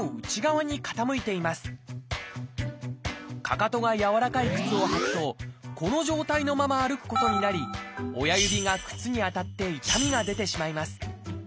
かかとが柔らかい靴を履くとこの状態のまま歩くことになり親指が靴に当たって痛みが出てしまいます。